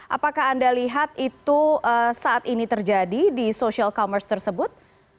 apakah anda lihat itu saat ini terjadi di social commerce tersebut